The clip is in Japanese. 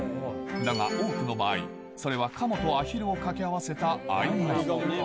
だが、多くの場合、それは鴨とアヒルを掛け合わせた合鴨。